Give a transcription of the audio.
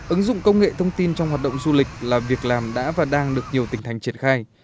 ứng dụng công nghệ thông tin trong hoạt động du lịch là việc làm đã và đang được nhiều tỉnh thành triển khai